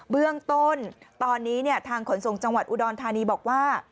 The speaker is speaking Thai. เบื้องต้นตอนนี้ทางขนส่งจังหวัดอุดรธานีบอกว่า